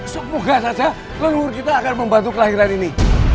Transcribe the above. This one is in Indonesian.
semoga saja leluhur kita akan membantu kelahiran ini